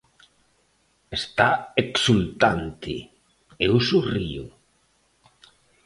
Está exultante, eu sorrío.